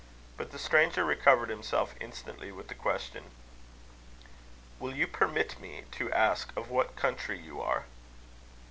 But the stranger recovered himself instantly with the question: "Will you permit me to ask of what country you are?"